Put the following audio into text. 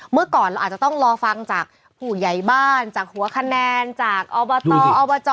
เมื่อก่อนเราอาจจะต้องรอฟังจากผู้ใหญ่บ้านจากหัวคะแนนจากอบตอบจ